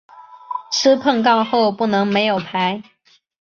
吃碰杠后不能没有牌。